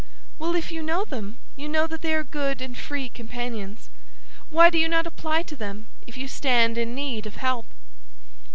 "Well, if you know them, you know that they are good and free companions. Why do you not apply to them, if you stand in need of help?"